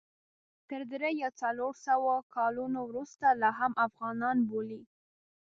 تر درې یا څلور سوه کلونو وروسته لا هم افغانان بولي.